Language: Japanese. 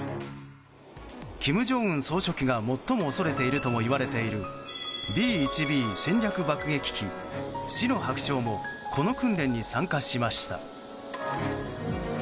金正恩総書記が最も恐れているともいわれているＢ１Ｂ戦略爆撃機、死の白鳥もこの訓練に参加しました。